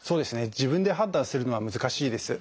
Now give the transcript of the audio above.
自分で判断するのは難しいです。